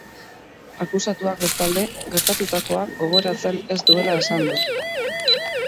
Akusatuak, bestalde, gertatutakoa gogoratzen ez duela esan du.